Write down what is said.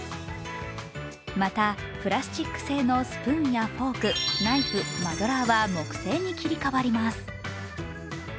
また、プラスチック製のスプーンやフォーク、ナイフ、マドラーは木製に切り替わります。